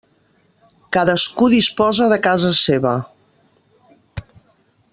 Cadascú disposa de casa seva.